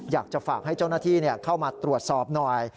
อยากจะฝากให้เจ้าหน้าที่เข้ามาตรวจสอบหน่อย